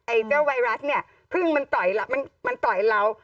ไอ้เจ้าไวรัสนี่พึ่งมันต่อยเรา